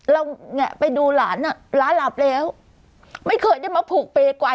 เราไปดูหลานฮะ